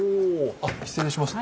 あっ失礼します。